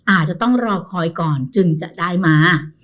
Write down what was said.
อาจจะต้องรอคอยก่อนจึงจะได้มา